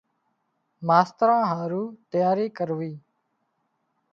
ماستران هارُو تياري ڪروِي۔